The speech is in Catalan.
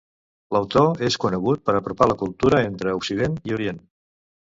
L'autor és conegut per apropar la cultura entre Occident i Orient.